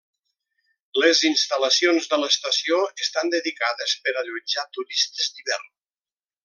Les instal·lacions de l'estació estan dedicades per allotjar turistes d'hivern.